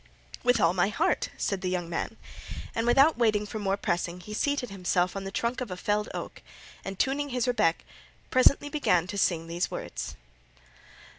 "With all my heart," said the young man, and without waiting for more pressing he seated himself on the trunk of a felled oak, and tuning his rebeck, presently began to sing to these words.